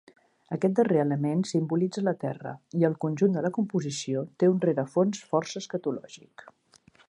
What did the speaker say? Aquest darrer element simbolitza la Terra i el conjunt de la composició té un rerefons força escatològic.